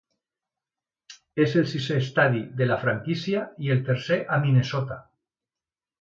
És el sisè estadi de la franquícia i el tercer a Minnesota.